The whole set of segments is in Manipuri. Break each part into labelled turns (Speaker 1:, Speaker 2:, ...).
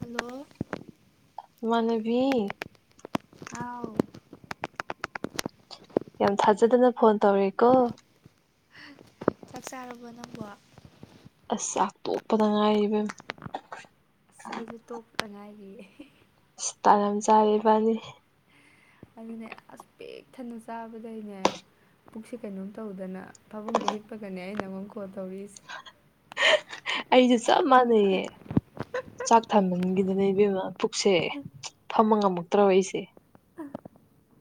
Speaker 1: ꯍꯜꯂꯣ
Speaker 2: ꯏꯃꯥꯟꯅꯥꯕꯤ
Speaker 1: ꯍꯥꯎ
Speaker 2: ꯌꯥꯝ ꯊꯥꯖꯗꯅ ꯐꯣꯟ ꯇꯧꯔꯛꯑꯦꯀꯣ
Speaker 1: ꯆꯥꯛ ꯆꯥꯔꯕꫭ ꯅꯪꯕꯣ
Speaker 2: ꯑꯁ ꯆꯥꯛ ꯇꯣꯄꯗ ꯉꯥꯏꯔꯤ ꯏꯕꯦꯝꯃꯥ
Speaker 1: ꯑꯑ ꯑꯩꯖꯨ ꯇꯣꯛꯄꯗꯥ ꯉꯥꯏꯔꯤꯌꯦ
Speaker 2: ꯏꯁ ꯇꯥꯟ ꯌꯥꯝ ꯆꯌ‌ꯦ ꯏꯕꯥꯟꯅꯤ
Speaker 1: ꯑꯗꯨꯅꯦ ꯑꯁ ꯄꯦꯛ ꯊꯟꯅ ꯆꯥꯕꯗꯩꯅꯦ ꯄꯨꯛꯁꯦ ꯀꯩꯅꯣꯝ ꯇꯧꯗꯅ ꯐꯥꯕꯨꯡꯗ ꯍꯤꯞꯄꯒꯅꯦ ꯑꯩꯅ ꯅꯥꯉꯣꯟ ꯀꯣꯜ ꯇꯧꯔꯛꯏꯁꯦ
Speaker 2: ꯑꯩꯁꯨ ꯆꯞ ꯃꯥꯟꯅꯩꯌꯦ ꯆꯥꯛ ꯊꯥꯟꯃꯟꯒꯤꯗꯅ ꯏꯕꯦꯃꯃꯥ ꯄꯨꯛꯁꯦ ꯐꯝꯕ ꯉꯝꯃꯛꯇ꯭ꯔꯕ ꯑꯩꯁꯦ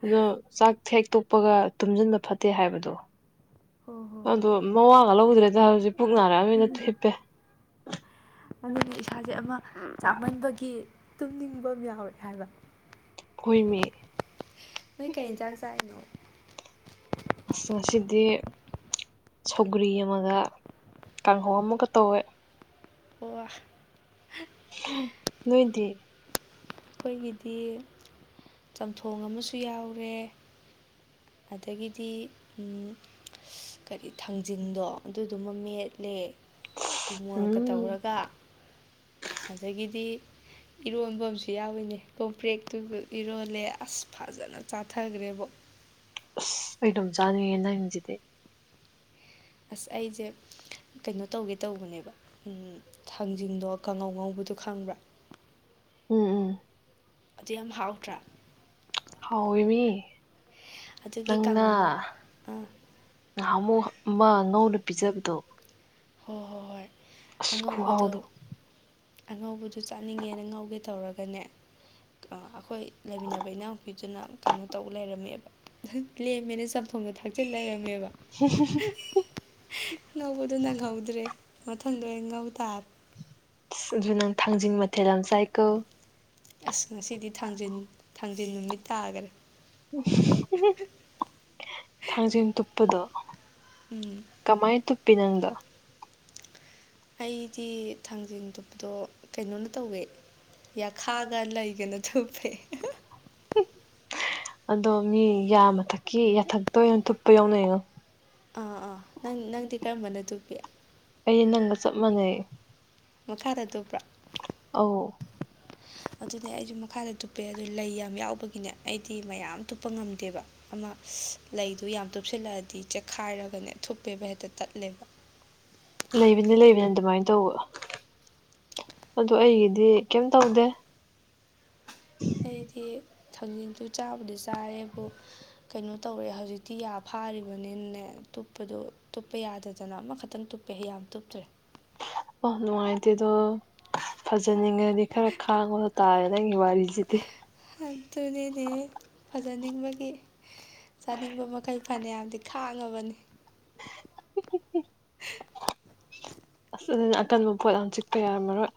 Speaker 2: ꯑꯗꯣ ꯆꯥꯛ ꯍ‌ꯦꯛ ꯊꯦꯛꯇꯣꯛꯄꯒ ꯇꯨꯝꯖꯟꯕ ꯐꯠꯇꯦ ꯍꯥꯏꯕꯗꯣ
Speaker 1: ꯍꯣ ꯍꯣ ꯍꯣꯏ
Speaker 2: ꯇꯔꯥ [unintelligible] ꯅ ꯍꯤꯞꯄꯦ
Speaker 1: ꯑꯗꯨꯅ ꯏꯁꯥꯁꯦ ꯑꯃꯥ ꯆꯥꯃꯟꯕꯒꯤ ꯇꯨꯝꯅꯤꯡꯕ ꯑꯃꯥ ꯌꯥꯎꯔꯦ ꯍꯥꯏꯕ
Speaker 2: ꯍꫭꯏꯃꯤ
Speaker 1: ꯅꯣꯏ ꯀꯩ ꯌꯦꯟꯁꯥꯡ ꯆꯥꯔꯤꯅꯣ
Speaker 2: ꯑꯁ ꯉꯁꯤꯗꯤ ꯁꯧꯒ꯭ꯔꯤ ꯑꯃꯒ ꯀꯥꯡꯍꯧ ꯑꯃꯒ ꯇꯧꯋꯦ
Speaker 1: [unintelligible]
Speaker 2: ꯅꯣꯏꯗꯤ
Speaker 1: ꯑꯩꯈꯣꯏꯒꯤꯗꯤ ꯆꯝꯊꯣꯡ ꯑꯃꯁꯨ ꯌꯥꯎꯔꯦ ꯑꯗꯥꯒꯤꯗꯤ ꯎꯝ ꯀꯔꯤ ꯊꯥꯡꯖꯤꯡꯗꯣ ꯑꯗꯨꯗꯨꯃ ꯃꯦꯠꯂꯦ ꯎꯃꯣꯔꯣꯛꯀ
Speaker 2: ꯎꯝ
Speaker 1: ꯇꯧꯔꯒ ꯑꯗꯥꯒꯤꯗꯤ ꯏꯔꯣꯟꯕ ꯨ ꯌꯥꯎꯋꯤꯅꯦ ꯀꯣꯝꯄ꯭ꯔꯦꯛꯇꯨꯒ ꯏꯔꯣꯜꯂꯦ ꯑꯁ ꯐꯖꯅ ꯆꯥꯊꯈ꯭ꯔꯦꯕꯣ
Speaker 2: ꯑꯁ ꯑꯩ ꯑꯗꯨꯝ ꯆꯥꯅꯤꯡꯉꯦ ꯅꯪꯁꯤꯗꯤ
Speaker 1: ꯑꯁ ꯑꯩꯁꯦ ꯀꯩꯅꯣ ꯇꯧꯒꯦ ꯇꯧꯕꯅꯦꯕ ꯊꯥꯡꯖꯤꯡꯗꯣ ꯀꯥꯡꯉꯧ ꯉꯧꯕꯗꯣ ꯈꯪꯕ꯭ꯔꯥ
Speaker 2: ꯎꯝ ꯎꯝ
Speaker 1: ꯑꯗꯨ ꯌꯥꯝ ꯍꯥꯎꯇ꯭ꯔꯥ
Speaker 2: ꯍꯥꯎꯋꯦꯃꯤ
Speaker 1: ꯑꯗꯨꯒꯤ
Speaker 2: ꯅꯪꯅ
Speaker 1: ꯀꯥꯡꯉꯧ ꯉꯧ ꯑꯥ
Speaker 2: ꯉꯍꯥꯟꯃꯨꯛ ꯑꯃ ꯉꯧꯔꯥ ꯄꯤꯖꯕꯗꯣ
Speaker 1: ꯍꯣꯏ ꯍꯣꯏ ꯍꯣꯏ
Speaker 2: ꯑꯁ
Speaker 1: ꯑꯉꯧꯕꯗꯣ
Speaker 2: ꯈꯨꯍꯥꯎꯗꯣ
Speaker 1: ꯑꯉꯧꯕꯗꯣ ꯆꯥꯅꯤꯡꯉꯦꯅ ꯉꯧꯒꯦ ꯇꯧꯔꯒꯅꯦ ꯑꯩꯈꯣꯏ ꯂꯩꯃꯤꯟꯅꯕ ꯏꯅꯥꯎꯄꯤꯗꯨꯅ ꯀꯩꯅꯣ ꯇꯧ ꯂꯩꯔꯝꯃꯦꯕ ꯂꯦꯝꯃꯦꯅ ꯆꯝꯊꯣꯡꯗꯣ ꯊꯥꯛꯆꯤꯜ ꯂꯩꯔꯝꯃꯦꯕ ꯉꯧꯕꯗꯨ ꯅꯪꯍꯧꯗ꯭ꯔꯦ ꯃꯊꯪꯗꯣ ꯑꯣꯢꯅ ꯉꯧ ꯇꯥꯔꯦ
Speaker 2: ꯑꯗꯨ ꯅꯪ ꯊꯥꯡꯖꯤꯡ ꯃꯊꯦꯜ ꯌꯥꯝ ꯆꯥꯏꯀꯣ
Speaker 1: ꯑꯁ ꯉꯁꯤꯗꯤ ꯊꯥꯡꯖꯤꯡ ꯊꯥꯡꯖꯤꯡ ꯅꯨꯃꯤꯠ ꯇꯥꯈꯔꯦ
Speaker 2: ꯊꯥꯡꯖꯤꯡ ꯇꯨꯞꯄꯗꯣ
Speaker 1: ꯎꯝ
Speaker 2: ꯀꯃꯥꯏꯅ ꯇꯨꯞꯄꯤ ꯅꯪꯗꯣ
Speaker 1: ꯑꯩꯗꯤ ꯊꯥꯡꯖꯤꯡ ꯇꯨꯞꯄꯗꯣ ꯀꯩꯅꯣꯅ ꯇꯧꯋꯦ ꯌꯥꯈꯥꯒ ꯂꯩꯒꯅ ꯇꯨꯞꯄꯦ
Speaker 2: ꯑꯗꯣ ꯃꯤ ꯌꯥ ꯃꯊꯛꯀꯤ ꯌꯥꯊꯛꯇ ꯑꯣꯏꯅ ꯇꯨꯞꯄ ꯌꯥꯎꯅꯩꯉꯣ
Speaker 1: ꯑꯥ ꯑꯥ ꯅꯪ ꯅꯪꯗꯤ ꯀꯔꯝꯕꯅ ꯇꯨꯞꯄꯤ
Speaker 2: ꯑꯩꯗꯤ ꯅꯪꯒ ꯆꯞ ꯃꯥꯟꯅꯩ
Speaker 1: ꯃꯈꯥꯗ ꯇꯨꯞꯄ꯭ꯔꯥ
Speaker 2: ꯑꯧ
Speaker 1: ꯑꯗꯨꯅꯦ ꯑꯩꯁꯨ ꯃꯈꯥꯗ ꯇꯨꯞꯄꯦ ꯑꯗꯨ ꯂꯩ ꯌꯥꯝ ꯌꯥꯎꯕꯒꯤꯅꯦ ꯑꯩꯗꯤ ꯃꯌꯥꯝ ꯇꯨꯞꯄ ꯉꯝꯗꯦꯕ ꯑꯃ ꯂꯩꯗꯨ ꯌꯥꯝ ꯇꯨꯞꯁꯤꯜꯂꯛꯑꯗꯤ ꯆꯦꯛꯈꯥꯏꯔꯒꯅꯦ ꯊꯨꯞꯄꯦꯕ ꯍꯦꯛꯇ ꯇꯠꯂꯦꯕ
Speaker 2: ꯂꯩꯕꯅꯤ ꯂꯩꯕꯅꯤ ꯑꯗꯨꯃꯥꯏꯅ ꯇꯧꯕ ꯑꯗꯣ ꯑꯩꯒꯤꯗꯤ ꯀꯩꯝ ꯇꯧꯗꯦ
Speaker 1: ꯑꯩꯗꯤ ꯊꯥꯡꯖꯤꯡꯗꯨ ꯆꯥꯕꯗꯤ ꯆꯥꯔꯦꯕꯨ ꯀꯩꯅꯣ ꯇꯧꯔꯦ ꯍꯧꯖꯤꯛꯇꯤ ꯌꯥ ꯐꯥꯔꯤꯕꯅꯤꯅꯅꯦ ꯇꯨꯞꯄꯗꯣ ꯇꯨꯞꯄ ꯌꯥꯗꯥꯗꯅ ꯑꯃ ꯈꯛꯇꯪ ꯇꯨꯞ ꯄꯦ ꯌꯥꯝ ꯇꯨꯞꯇ꯭ꯔꯦ
Speaker 2: ꯑꯣ ꯅꯨꯡꯉꯥꯏꯇꯦꯗꯣ ꯐꯖꯅꯤꯡꯉꯗꯤ ꯈꯔ ꯈꯥꯡꯕꯗ ꯇꯥꯔꯦ ꯅꯪꯒꯤ ꯋꯥꯔꯤꯁꯤꯗꯤ
Speaker 1: ꯑꯗꯨꯅꯤꯅꯦ ꯐꯖꯅꯤꯡꯕꯒꯤ ꯆꯥꯅꯤꯡꯕ ꯃꯈꯩ ꯐꯅꯥ ꯌꯥꯝꯗꯤ ꯈꯥꯡꯉꯥꯕꯅꯤ
Speaker 2: ꯑꯁ ꯑꯗꯨꯅ ꯑꯀꯟꯕ ꯄꯣꯠ ꯌꯥꯝ ꯆꯤꯛꯄ ꯌꯥꯔꯝꯃꯔꯣꯏ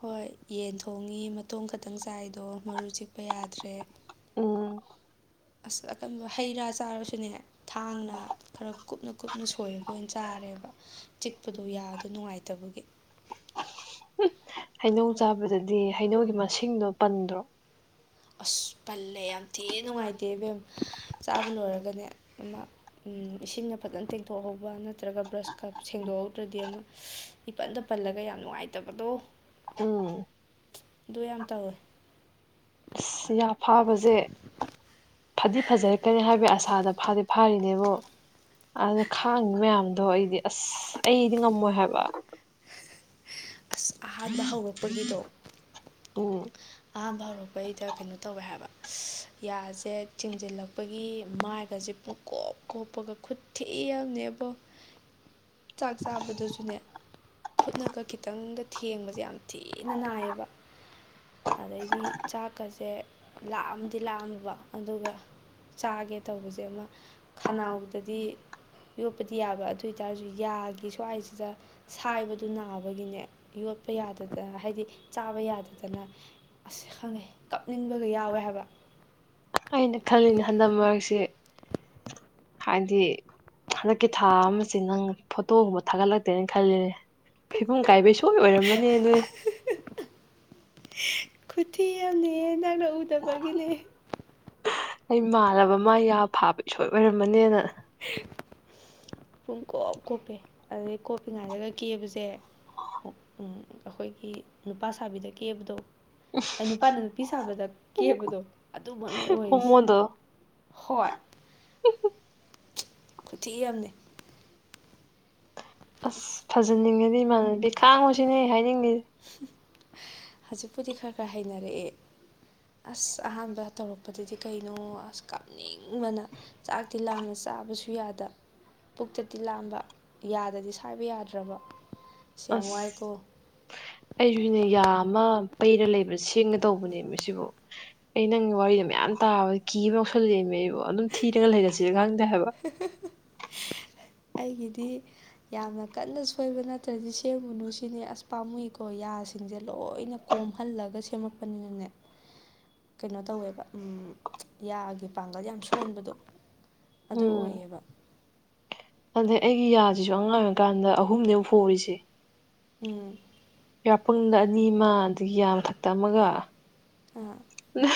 Speaker 1: ꯍꯣꯏ ꯌꯦꯟ ꯊꯣꯡꯉꯤ ꯃꯇꯣꯡ ꯈꯛꯇꯪ ꯆꯥꯏꯗꯣ ꯃꯔꯨ ꯆꯤꯛꯄ ꯌꯥꯗ꯭ꯔꯦ
Speaker 2: ꯎꯝ
Speaker 1: ꯑꯁ ꯑꯀꯟꯕ ꯍꯩ ꯔꯥ ꯆꯥꯔꯁꯨꯅꯦ ꯊꯥꯡꯅ ꯈꯔ ꯀꯨꯞꯅ ꯀꯨꯞꯅ ꯁꯣꯏꯔꯒ ꯑꯣꯏꯅ ꯆꯥꯔꯦꯕ ꯆꯤꯛꯄꯗꯣ ꯌꯥꯗꯣ ꯅꯨꯡꯉꯥꯏꯇꯕꯒꯤ
Speaker 2: ꯍꯩꯅꯧ ꯆꯥꯕꯗꯗꯤ ꯍꯩꯅꯧꯒꯤ ꯃꯁꯤꯡꯗꯣ ꯄꯟꯗ꯭ꯔꯣ
Speaker 1: ꯑꯁ ꯄꯜꯂꯦ ꯌꯥꯝ ꯊꯤꯅ ꯅꯨꯡꯉꯥꯏꯇꯦ ꯏꯕꯦꯝꯃ ꯆꯥꯕ ꯂꯣꯏꯔꯒꯅꯦ ꯑꯃ ꯏꯁꯤꯡꯅ ꯐꯖꯅ ꯇꯦꯡꯊꯣꯛꯍꯧꯕ ꯅꯠꯇ꯭ꯔꯥꯒ ꯕ꯭ꯔꯁꯀ ꯁꯦꯡꯗꯣꯛꯍꯧꯗ꯭ꯔꯗꯤ ꯑꯃ ꯏꯄꯟꯗ ꯄꯜꯂꯒ ꯌꯥꯝ ꯅꯨꯡꯉꯥꯏꯇꯕꯗꯣ
Speaker 2: ꯎꯝ
Speaker 1: ꯑꯗꯨ ꯌꯥꯝ ꯇꯧꯋꯦ
Speaker 2: ꯑꯁ ꯌꯥ ꯐꯥꯕꯁꯦ ꯐꯗꯤ ꯐꯖꯔꯛꯀꯅꯤ ꯍꯥꯏꯕꯒꯤ ꯑꯁꯥꯗ ꯐꯥꯗꯤ ꯐꯥꯔꯤꯅꯦꯕꯨ ꯑꯗꯨꯗ ꯈꯥꯡꯉꯤ ꯃꯌꯥꯝꯗꯣ ꯑꯩꯗꯤ ꯑꯁ ꯑꯩꯗꯤ ꯉꯝꯃꯣꯏ ꯍꯥꯏꯕ
Speaker 1: ꯑꯁ ꯑꯍꯥꯟꯕ ꯍꯧꯔꯛꯄꯒꯤꯗꯣ
Speaker 2: ꯎꯝ
Speaker 1: ꯑꯍꯥꯟꯕ ꯍꯧꯔꯛꯄꯩꯗ ꯀꯩꯅꯣ ꯇꯧꯋꯦ ꯍꯥꯏꯕ ꯑꯁ ꯌꯥꯁꯦ ꯆꯤꯡꯁꯤꯜꯂꯛꯄꯒꯤ ꯃꯥꯏꯒꯁꯦ ꯄꯨꯡ ꯀꯣꯞ ꯀꯣꯞꯄꯒ ꯈꯨꯠꯊꯤ ꯑꯃꯅꯦꯕꯣ ꯆꯥꯛ ꯆꯥꯕꯗꯨꯁꯨꯅꯦ ꯈꯨꯠꯅꯒ ꯈꯤꯇꯪꯒ ꯊꯦꯡꯕꯁꯦ ꯌꯥꯝ ꯊꯤꯅ ꯅꯥꯏꯌꯦꯕ ꯑꯗꯩꯗꯤ ꯆꯥꯛꯀꯁꯦ ꯂꯥꯝꯗꯤ ꯂꯥꯝꯃꯦꯕ ꯑꯗꯨꯒ ꯆꯥꯒꯦ ꯇꯧꯕꯁꯦ ꯑꯃ ꯈꯅꯥꯎꯗꯗꯤ ꯌꯣꯠꯄꯗꯤ ꯌꯥꯕ ꯑꯗꯨꯏꯇꯥꯔꯁꯨ ꯌꯥꯒꯤ ꯁ꯭ꯋꯥꯏꯁꯤꯗ ꯁꯥꯏꯕꯗꯨ ꯅꯥꯕꯒꯤꯅꯦ ꯌꯣꯠꯄ ꯌꯥꯗꯗꯅ ꯍꯥꯏꯗꯤ ꯆꯥꯕ ꯌꯥꯗꯗꯅ ꯑꯁ ꯈꯪꯉꯦ ꯀꯞꯅꯤꯡꯕꯒ ꯌꯥꯎꯋꯦ ꯍꯥꯏꯕ
Speaker 2: ꯑꯩꯅ ꯈꯜꯂꯤꯅꯦ ꯍꯟꯗꯛ ꯃꯔꯛꯁ‌ꯦ ꯍꯥꯏꯗꯤ ꯍꯟꯗꯛꯀꯤ ꯊꯥ ꯑꯃꯁꯤ ꯅꯪ ꯐꯣꯇꯣꯒꯨꯝꯕ ꯊꯥꯒꯠꯂꯛꯇꯦꯅ ꯈꯜꯂꯤꯅꯦ ꯐꯤꯚꯝ ꯀꯥꯏꯕꯩ ꯁ‌ꯣꯏ ꯑꯣꯏꯔꯝꯃꯅꯤ ꯅꯪ
Speaker 1: ꯈꯨꯊꯤ ꯑꯝꯅꯦꯍ‌ꯦ ꯅꯪꯅ ꯎꯗꯕꯒꯤꯅꯦ
Speaker 2: ꯑꯩ ꯃꯥꯜꯂꯕ ꯃꯥ ꯌꯥ ꯐꯥꯕ ꯁꯣꯏ ꯑꯣꯏꯔꯝꯃꯅꯦꯅ
Speaker 1: ꯄꯨꯡꯀꯣꯞ ꯀꯣꯞꯄꯦ ꯑꯗꯩ ꯀꯣꯞꯄꯤ ꯉꯥꯏꯗꯒ ꯀꯦꯕꯁꯦ ꯑ ꯎꯝ ꯑꯩꯈꯣꯏꯒꯤ ꯅꯨꯄꯥ ꯁꯥꯕꯤꯗ ꯀꯦꯕꯗꯣ ꯑ ꯅꯨꯄꯥꯅ ꯅꯨꯄꯤ ꯁꯥꯕꯗ ꯀꯦꯕꯗꯣ ꯑꯗꯨꯃꯛꯅꯦ ꯑꯣꯏꯔꯤꯁꯦ
Speaker 2: ꯍꯣꯃꯣꯟꯗꯣ
Speaker 1: ꯍꯣꯏ ꯈꯨꯊꯤ ꯑꯝꯅ‌ꯦ
Speaker 2: ꯑꯁ ꯐꯖꯅꯤꯡꯉꯗꯤ ꯏꯃꯥꯟꯅꯗꯤ ꯈꯥꯡꯉꯨꯁꯤꯅꯦ ꯑꯩꯅ ꯍꯥꯏꯅꯤꯡꯉꯤꯁ‌ꯦ
Speaker 1: ꯍꯧꯖꯤꯛꯄꯨꯗꯤ ꯈꯔ ꯈꯔ ꯍꯩꯅꯔꯛꯑꯦ ꯑꯁ ꯑꯍꯥꯟꯕ ꯇꯧꯔꯛꯄꯗꯨꯗꯤ ꯀꯩꯅꯣ ꯑꯁ ꯀꯞ ꯅꯤꯡꯕꯅ ꯆꯥꯛꯇꯤ ꯂꯥꯝꯕ ꯆꯥꯕꯁꯨ ꯌꯥꯗ ꯄꯨꯛꯇꯗꯤ ꯂꯥꯝꯕ ꯌꯥꯗꯗꯤ ꯁꯥꯏꯕ ꯌꯥꯗ꯭ꯔꯥꯕ
Speaker 2: ꯑꯁ ꯑꯩꯁꯨꯅꯦ ꯌꯥ ꯑꯃ ꯄꯩꯔ ꯂꯩꯕ ꯁꯦꯝꯒ‌ꯦ ꯇꯧꯕꯅꯦ ꯃꯁꯤꯕꯨ ꯑꯩ ꯅꯪꯒꯤ ꯋꯥꯔꯤꯗ ꯃꯌꯥꯝ ꯇꯥꯕ ꯀꯤꯕ ꯌꯥꯎꯁꯜꯂꯛꯑꯦꯃ‌ꯦ ꯑꯩꯕꯣ ꯑꯗꯨꯝ ꯊꯤꯔꯒ ꯂꯩꯔꯁꯤꯔꯥ ꯈꯪꯗꯦ ꯍꯥꯏꯕ
Speaker 1: ꯑꯩꯒꯤꯗꯤ ꯌꯥꯝꯅ ꯀꯟꯅ ꯁꯣꯏꯕ ꯅꯠꯇ꯭ꯔꯗꯤ ꯁꯦꯝꯒꯨꯅꯨ ꯁꯤꯅꯦ ꯑꯁ ꯄꯥꯝꯃꯨꯏ ꯀꯣ ꯌꯥꯁꯤꯡꯁꯦ ꯂꯣꯏꯅ ꯀꯣꯝꯍꯜꯂꯒ ꯁꯦꯝꯃꯛꯄꯅꯤꯅꯅꯦ ꯀꯩꯅꯣ ꯇꯧꯋꯦꯕ ꯎꯝ ꯌꯥꯒꯤ ꯄꯥꯡꯒꯜ ꯌꯥꯝ ꯁꯣꯟꯕꯗꯣ ꯑꯗꯨ ꯑꯣꯏꯌꯦꯕ
Speaker 2: ꯑꯗ‌ꯣ ꯑꯩꯒꯤ ꯌꯥꯁꯤꯁꯨ ꯑꯉꯥꯡ ꯑꯣꯏꯔꯤꯀꯥꯟꯗ ꯑꯍꯨꯝꯅꯤ ꯑꯃꯨꯛ ꯍ‌ꯣꯔꯤꯁꯦ
Speaker 1: ꯎꯝ
Speaker 2: ꯌꯥꯄꯪꯊ ꯑꯅꯤꯃ ꯑꯗꯒꯤ ꯌꯥ ꯃꯊꯛꯇ ꯑꯃꯒ
Speaker 1: ꯑꯥ
Speaker 2: ꯅꯪ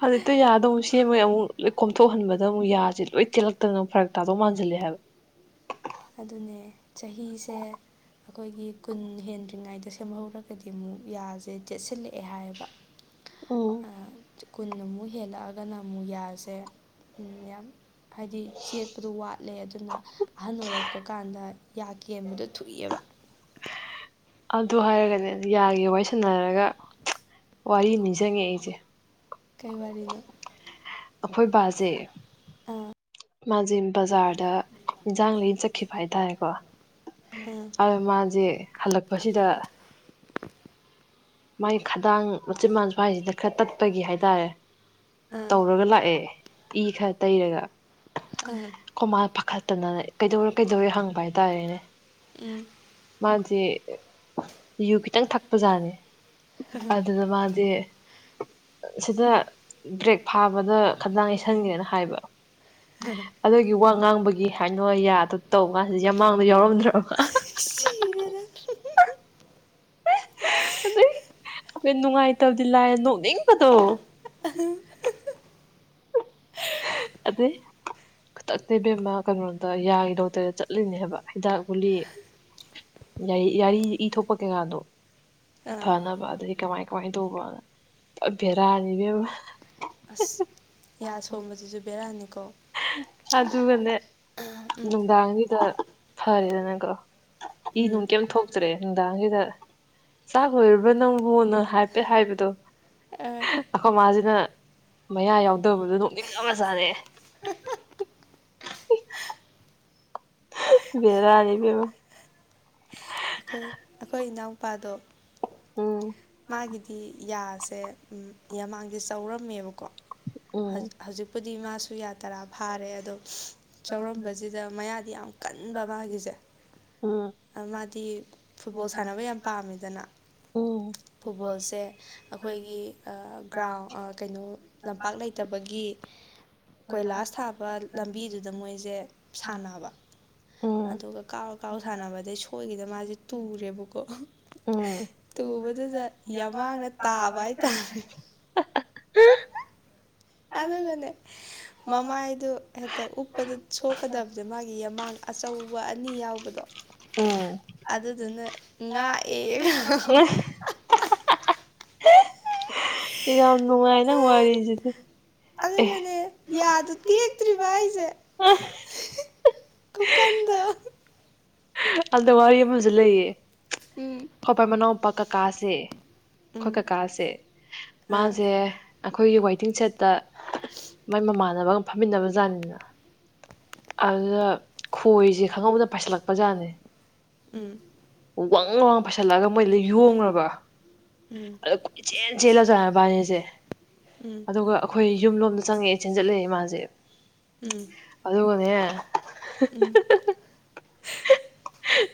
Speaker 2: ꯍꯧꯖꯤꯛꯇꯣ ꯌꯥꯗ ꯑꯃꯨꯛ ꯁꯦꯝꯕꯩ ꯑꯃꯨꯛ ꯂ‌ꯣꯏ ꯀꯣꯝꯊꯣꯛꯍꯟꯕꯗ ꯑꯃꯨꯛ ꯌꯥꯁꯦ ꯂꯣꯏ ꯇ‌ꯦꯛꯂꯛꯇꯅ ꯐꯔꯛ ꯇꯥꯖꯧ ꯃꯥꯟꯖꯤꯜꯂꯦ ꯍꯥꯏꯕ
Speaker 1: ꯑꯗꯨꯅꯦ ꯆꯍꯤꯁꯦ ꯑꯩꯈꯣꯏꯒꯤ ꯀꯨꯟ ꯍꯦꯟꯗ꯭ꯔꯤꯉꯩꯗ ꯁꯦꯝꯍꯧꯔꯒꯗꯤ ꯑꯃꯨꯛ ꯌꯥꯖꯦ ꯆꯦꯠꯁꯤꯜꯂꯛꯑꯦ ꯍꯥꯏꯕ
Speaker 2: ꯎꯝ
Speaker 1: ꯀꯨꯟꯃꯨꯛ ꯍꯦꯜꯂꯛꯑꯒꯅ ꯑꯃꯨꯛ ꯌꯥꯁꯦ ꯌꯥꯝ ꯍꯥꯏꯗꯤ ꯆꯦꯠꯄꯗꯣ ꯋꯥꯠꯂꯦ ꯑꯗꯨꯅ ꯑꯍꯟ ꯑꯣꯏꯔ ꯀꯥꯟꯗ ꯌꯥꯀꯦꯟꯕꯗꯣ ꯊꯣꯏ ꯑꯦꯕ
Speaker 2: ꯑꯗꯨ ꯍꯥꯏꯔꯒꯅꯦ ꯌꯥꯒꯤ ꯋꯥꯔꯤ ꯁꯅꯔꯒ ꯋꯥꯔꯤ ꯑꯃ ꯅꯤꯡꯖꯤꯡ ꯉꯥꯛꯑꯦ ꯑꯩꯁꯦ
Speaker 1: ꯀꯩ ꯋꯥꯔꯤꯅꯣ
Speaker 2: ꯑꯩꯈꯣꯏ ꯕꯥꯖꯦ
Speaker 1: ꯑꯥ
Speaker 2: ꯃꯥꯁ ꯕꯖꯥꯔꯗ ꯏꯟꯖꯡ ꯂꯩ ꯆꯠꯈꯤꯕ ꯍꯥꯏꯇꯥꯔꯦꯀꯣ
Speaker 1: ꯎꯝ
Speaker 2: ꯑ ꯃꯥꯖꯦ ꯍꯜꯂꯛꯄꯁꯤꯗ ꯃꯥꯏ ꯈꯗꯥꯡ ꯃꯆꯤꯟ ꯕꯟ ꯁ꯭ꯋꯥꯏꯁꯤꯗ ꯈꯔ ꯇꯠꯄꯒꯤ ꯍꯥꯏꯇꯥꯔꯦ
Speaker 1: ꯑꯥ
Speaker 2: ꯇꯧꯔꯒ ꯂꯥꯛꯑꯦ ꯏ ꯈꯔ ꯇꯩꯔꯒ
Speaker 1: ꯑꯥ
Speaker 2: ꯈꯣꯏꯃꯥ ꯄꯥꯈꯠꯇꯅꯅꯦ ꯀꯩꯗꯧꯔꯦ ꯀꯩꯗꯧꯔꯦ ꯍꯪꯕ ꯍꯥꯏꯇꯥꯔꯦꯅꯦ
Speaker 1: ꯎꯝ
Speaker 2: ꯃꯥꯖꯦ ꯌꯨ ꯈꯤꯇꯪ ꯊꯛꯄꯖꯥꯠꯅꯤ ꯑꯗꯨꯗ ꯃꯥꯗꯤ ꯁꯤꯗ ꯕ꯭ꯔꯦꯛ ꯐꯥꯕꯗ ꯈꯥꯗꯥꯡ ꯌꯩꯁꯟꯒꯦꯅ ꯍꯥꯏꯕ ꯑꯗꯨꯒꯤ ꯋꯥ ꯉꯥꯡꯕꯒꯤ ꯍꯥꯏꯅꯣ ꯌꯥꯗꯣ ꯇꯧꯕ ꯀꯥꯟꯁꯤꯗ ꯌꯥꯃꯥꯡꯗꯣ ꯌꯥꯎꯔꯝꯗ꯭ꯔꯕ
Speaker 1: [unintelligible] ꯁꯤꯔꯦꯗ
Speaker 2: ꯑꯗꯩ ꯅꯨꯡꯉꯥꯏ ꯇꯕꯗꯤ ꯂꯥꯏꯔꯥ ꯅꯣꯛꯅꯤꯡꯕꯗꯣ ꯑꯗꯩ ꯈꯨꯗꯥꯛꯇ ꯕꯦꯝꯃꯥ ꯀꯩꯅꯣꯗ ꯌꯥꯒꯤ ꯗꯣꯛꯇꯔꯗ ꯆꯠꯂꯤꯅꯦꯕ ꯍꯤꯗꯥꯛ ꯒꯨꯂꯤ ꯌꯥꯔꯤ ꯌꯥꯔꯤ ꯏ ꯊꯣꯛꯄ ꯀꯩꯀꯥꯗꯣ
Speaker 1: ꯑꯥ
Speaker 2: ꯐꯅꯕ ꯑꯗꯩꯒꯤ ꯀꯃꯥꯏ ꯀꯃꯥꯏꯅ ꯇꯧꯕꯅ ꯄꯥ ꯕꯦꯔꯥꯅꯤ ꯕꯦꯝꯃꯥ
Speaker 1: ꯑꯁ ꯌꯥ ꯁꯣꯟꯕꯁꯤꯁꯨ ꯕꯦꯔꯥꯅꯤꯀꯣ
Speaker 2: ꯑꯗꯨꯒꯅꯦ
Speaker 1: ꯎꯝ
Speaker 2: ꯅꯨꯡꯗꯥꯡꯖꯤꯗ ꯐꯔꯦꯗꯅꯀꯣ ꯏ
Speaker 1: ꯎꯝ
Speaker 2: ꯅꯨꯡ ꯀꯩꯝ ꯊꯣꯛꯇ꯭ꯔꯦ ꯅꯨꯡꯗꯥꯡꯖꯤꯗ ꯆꯥꯛ ꯂꯣꯏꯔꯕ꯭ꯔꯥ ꯅꯪꯕꯣꯅ ꯍꯥꯏꯐꯦꯠ ꯍꯥꯏꯕꯗꯣ
Speaker 1: ꯑ,
Speaker 2: ꯑꯩꯈꯣꯏ ꯃꯥꯁꯤꯅ ꯃꯌꯥ ꯌꯥꯎꯗꯕꯗꯣ ꯅꯣꯛꯅꯤꯡ ꯉꯕꯥ ꯖꯠꯅꯤ ꯕꯦꯔꯥ ꯅꯤ ꯕꯦꯝꯃ
Speaker 1: ꯑꯩꯈꯣꯏ ꯑꯩꯈꯣꯏ ꯏꯅꯥꯎꯄꯥꯗꯣ
Speaker 2: ꯎꯝ
Speaker 1: ꯃꯥꯒꯤꯗꯤ ꯌꯥꯁꯦ ꯌꯥꯝꯃꯥꯡꯁꯦ ꯆꯥꯎꯧꯔꯝꯃꯦꯕꯀꯣ
Speaker 2: ꯎꯝ
Speaker 1: ꯍꯧꯖꯤꯛꯄꯨꯗꯤ ꯃꯥꯁꯨ ꯌꯥ ꯇꯔꯥ ꯐꯥꯔꯦ ꯑꯗꯣ ꯆꯧꯔꯝꯕꯁꯤꯗ ꯃꯌꯥꯗꯤ ꯌꯥꯝ ꯀꯟꯕ ꯃꯥꯒꯤꯁꯦ
Speaker 2: ꯎꯝ
Speaker 1: ꯃꯥꯗꯤ ꯐꯨꯠꯕꯣꯜ ꯁꯥꯟꯅꯕ ꯌꯥꯝ ꯄꯥꯝꯃꯤꯗꯅ
Speaker 2: ꯎꯝ
Speaker 1: ꯁꯦ ꯑꯩꯈꯣꯏꯒꯤ ꯑꯥ ꯒ꯭ꯔꯥꯎꯟ ꯑꯥ ꯀꯩꯅꯣ ꯂꯝꯄꯥꯛ ꯂꯩꯇꯕꯒꯤ ꯀꯣꯏꯂꯥꯁ ꯊꯥꯕ ꯂꯝꯕꯤꯗꯨ ꯑꯗꯨꯗ ꯃꯣꯏꯁꯦ ꯁꯥꯟꯅꯕ
Speaker 2: ꯎꯝ
Speaker 1: ꯑꯗꯨꯒ ꯀꯥꯎꯔ ꯀꯥꯎ ꯁꯥꯟꯅꯕꯗꯩ ꯁꯣꯏꯈꯤꯗ ꯃꯥꯁꯦ ꯇꯨꯔꯦꯕꯀꯣ
Speaker 2: ꯎꯝ
Speaker 1: ꯇꯨꯕꯗꯨꯗ ꯌꯥ ꯃꯥꯡꯅ ꯇꯥꯕ ꯍꯥꯏꯇꯥꯔꯦ ꯑꯗꯨꯒꯅꯦ ꯃꯃꯥꯏꯗꯣ ꯍꯦꯛꯇ ꯎꯞꯄꯗ ꯁꯣꯛꯀꯗꯕꯗ ꯃꯥꯒꯤ ꯌꯃꯥꯡ ꯑꯆꯧꯕ ꯑꯅꯤ ꯌꯥꯎꯕꯗꯣ
Speaker 2: ꯎꯝ
Speaker 1: ꯑꯗꯨꯗꯨꯅ ꯉꯥꯛꯑꯦꯒ
Speaker 2: ꯑꯦ ꯌꯥꯝ ꯅꯨꯡꯉꯥꯏ ꯅꯪ ꯋꯥꯔꯤꯁꯤꯗꯤ ꯑꯦ
Speaker 1: ꯑꯗꯨꯒꯅꯦ ꯌꯥꯗꯨ ꯇꯦꯛꯇ꯭ꯔꯤꯕ ꯍꯥꯏꯁꯦ ꯈꯨꯀꯟꯗꯣ
Speaker 2: ꯑꯗ ꯋꯥꯔꯤ ꯑꯃꯁꯨ ꯂꯩꯌꯦ ꯑꯩꯈꯣꯏ ꯃꯅꯥꯎꯄꯥ ꯀꯀꯥꯁꯦ
Speaker 1: ꯎꯝ
Speaker 2: ꯑꯩꯈꯣꯏ
Speaker 1: ꯎꯝ
Speaker 2: ꯀꯀꯥꯁꯦ
Speaker 1: ꯑꯥ
Speaker 2: ꯃꯥꯁꯦ ꯑꯩꯈꯣꯏꯒꯤ ꯋꯥꯏꯇꯤꯡ ꯁꯦꯠꯇ ꯃꯥꯏ ꯃꯃꯥꯟꯅꯕꯒ ꯐꯝꯃꯤꯟꯅꯕꯖꯥꯠꯅꯤꯅ ꯑꯗꯨꯗ ꯈꯣꯏꯁꯦ ꯈꯪꯍꯧꯗꯅ ꯄꯥꯏꯁꯤꯜꯂꯛꯄꯖꯥꯠꯅꯦ
Speaker 1: ꯎꯝ
Speaker 2: ꯋꯡ ꯂꯥꯎꯅ ꯄꯥꯏꯁꯜꯂꯛꯑꯒ ꯃꯣꯏꯗ ꯌꯣꯝꯈꯔꯕ
Speaker 1: ꯎꯝ
Speaker 2: ꯃꯕꯥꯅꯤꯁꯦ ꯑꯗꯨꯒ ꯑꯩꯈꯣꯏ ꯌꯨꯝ ꯂꯣꯝꯗ ꯆꯪꯉꯛꯑꯦ ꯆꯦꯟꯖꯠꯂꯛꯑꯦ ꯃꯥꯥꯁꯦ
Speaker 1: ꯎꯝ
Speaker 2: ꯑꯗꯨꯒꯅꯦ
Speaker 1: ꯎꯝ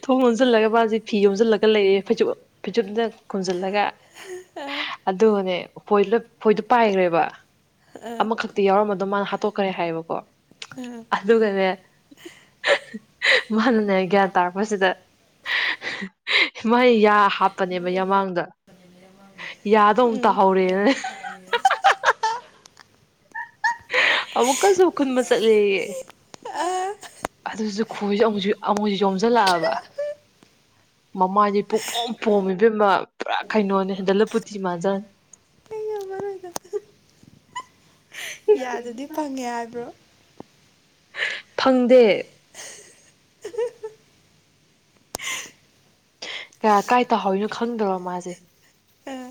Speaker 2: ꯊꯣꯡ ꯂꯣꯟꯁꯤꯜꯂꯒ ꯃꯥꯁꯦ ꯐꯤ ꯌꯣꯝꯁꯤꯜꯂꯒ ꯂꯩꯌꯦ ꯐꯩꯖꯨꯞ ꯐꯩꯖꯨꯞꯅ ꯈꯨꯝꯖꯤꯜꯂꯒ ꯑꯗꯨꯅꯦ ꯈꯣꯏ ꯈꯣꯏꯗꯣ ꯄꯥꯏꯈ꯭ꯔꯦꯕ ꯑꯃꯈꯛꯇꯤ ꯌꯥꯎꯔꯝꯕꯗꯣ ꯃꯥꯅ ꯍꯥꯠꯇꯣꯛꯈ꯭ꯔꯦ ꯍꯥꯏꯌꯦꯕꯀꯣ
Speaker 1: ꯎꯝ
Speaker 2: ꯑꯗꯨꯒꯅꯦ ꯃꯥꯅꯅꯦ ꯒ꯭ꯌꯥꯟ ꯇꯥꯔꯛꯄꯁꯤꯗ ꯃꯥꯏ ꯌꯥ ꯍꯥꯞꯄꯅꯦꯕ ꯌꯥꯃꯥꯡꯗ ꯌꯥꯗꯣ ꯑꯃꯨꯛ
Speaker 1: ꯎꯝ
Speaker 2: ꯇꯥꯍꯧꯔꯦꯅꯅꯦ ꯑꯃꯨꯛꯀꯁꯨ ꯈꯨꯟꯕ ꯆꯠꯂꯦꯌꯦ
Speaker 1: ꯑꯥ
Speaker 2: ꯑꯗꯨꯁꯨ ꯈꯣꯏꯁꯨ ꯑꯃꯨꯛ ꯑꯃꯨꯛꯁꯨ ꯌꯣꯝꯁꯤꯜꯂꯛꯑꯕ ꯃꯃꯥꯏꯁꯦ ꯄꯨꯛ ꯄꯣꯝ ꯄꯣꯝꯃꯤ ꯏꯕꯦꯝꯃ ꯄꯨꯔꯥ ꯀꯩꯅꯣꯅꯦ ꯗꯕꯜꯂꯨꯇꯤ ꯃꯥꯟꯖꯥꯅꯤ
Speaker 1: ꯑꯩꯩ ꯉꯝꯃꯔꯣꯏꯗ ꯌꯥꯗꯨꯗꯤ ꯐꯪꯉꯦ ꯍꯥꯏꯕ꯭ꯔꯣ
Speaker 2: ꯐꯪꯗꯦ
Speaker 1: [unintelligible]
Speaker 2: ꯀꯌꯥ ꯀꯥꯏ ꯇꯥꯍꯧꯔꯤꯅꯣ ꯈꯪꯗ꯭ꯔꯕ ꯃꯥꯁꯦ
Speaker 1: [unintelligible] ꯑꯥ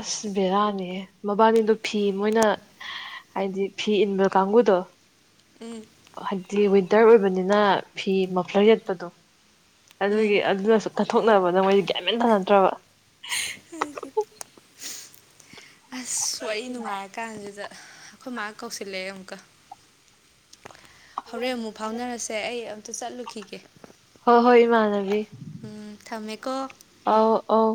Speaker 2: ꯑꯁ ꯕꯦꯔꯥꯅꯦꯍꯦ ꯃꯕꯥꯅꯤꯗꯣ ꯐꯤ ꯃꯣꯏꯅ ꯍꯥꯏꯗꯤ ꯐꯤ ꯏꯟꯕ ꯀꯥꯡꯕꯨꯗꯣ
Speaker 1: ꯎꯝ
Speaker 2: ꯍꯥꯏꯕꯗꯤ ꯋꯤꯟꯇꯔ ꯑꯣꯏꯕꯅꯤꯅ ꯐꯤ ꯃꯐꯂꯔ ꯌꯦꯠꯄꯗꯣ
Speaker 1: ꯎꯝ
Speaker 2: ꯑꯗꯨꯒꯤ ꯑꯗꯨꯗꯁꯨ ꯀꯟꯊꯣꯛꯅꯕꯗ ꯃꯣꯏꯗꯤ ꯒ꯭ꯌꯥꯟ ꯃꯦꯟ ꯇꯥꯅꯗ꯭ꯔꯕ
Speaker 1: ꯑꯩꯗꯤ ꯑꯁ ꯋꯥꯔꯤ ꯅꯨꯡꯉꯥꯏꯔꯀꯥꯟꯁꯤꯗ ꯑꯩꯈꯣꯏ ꯃꯥ ꯀꯧꯁꯤꯜꯂꯛꯑꯦ ꯑꯃꯨꯛꯀ ꯍꯣꯔꯦꯟ ꯑꯃꯨꯛ ꯐꯥꯎꯅꯔꯁꯦ ꯑꯩ ꯑꯝꯇ ꯆꯠꯂꯨꯈꯤꯒꯦ
Speaker 2: ꯍꯣꯏ ꯍꯣꯏ ꯏꯃꯥꯟꯅꯕꯤ
Speaker 1: ꯎꯝ ꯊꯝꯃꯦꯀꯣ
Speaker 2: ꯑꯧ ꯑꯧ